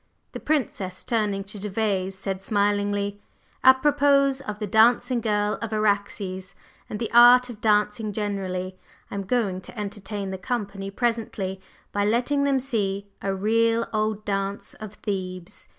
The Princess, turning to Gervase, said smilingly: "Apropos of the dancing girl of Araxes and the art of dancing generally, I am going to entertain the company presently by letting them see a real old dance of Thebes.